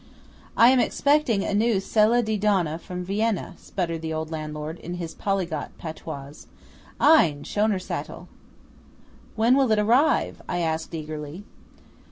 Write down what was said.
"I am expecting a new sella di donna from Vienna," sputtered the old landlord, in his polyglot patois. "Ein, schöner Sattel! " "When will it arrive?" I asked eagerly.